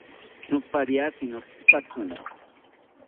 Nopariaki notzipatzimi